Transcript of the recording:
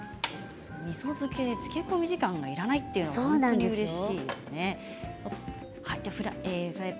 みそ漬けで漬け込み時間がいらないのはうれしいですね。